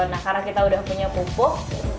nah karena kita udah punya pupuk